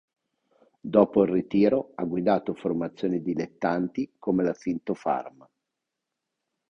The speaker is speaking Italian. Dopo il ritiro ha guidato formazioni dilettanti come la Sintofarm.